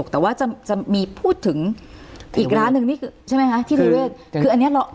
แต่ว่าจะมีพูดถึงอีกร้านหนึ่งที่เทเวศคืออันนี้เหรอ